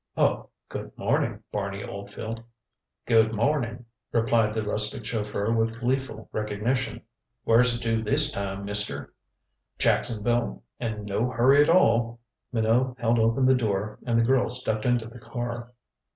Oh good morning, Barney Oldfield." "Good morning," replied the rustic chauffeur with gleeful recognition. "Where's it to this time, mister?" "Jacksonville. And no hurry at all." Minot held open the door and the girl stepped into the car.